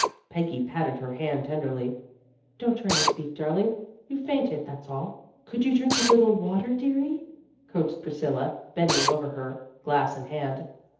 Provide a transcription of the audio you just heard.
Peggy patted her hand tenderly. "Don't try to speak, darling. You fainted, that's all." "Could you drink a little water, dearie," coaxed Priscilla, bending over her, glass in hand.